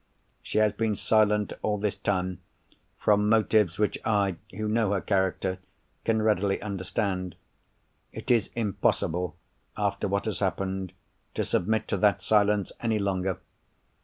She has been silent all this time, from motives which I (who know her character) can readily understand. It is impossible, after what has happened, to submit to that silence any longer.